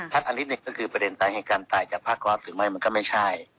ฮ่าอันที่หนึ่งก็คือประเด็นทางแห่งการตายจากผ้าก๊อตถึงไม่มันก็ไม่ใช่